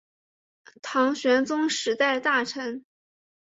唐玄宗时代大臣。